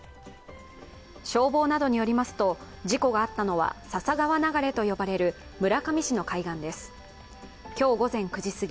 消防などによりますと事故があったのは笹川流れと呼ばれる村上市の海岸です。